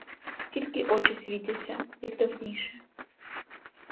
Тільки очі світяться, як давніше.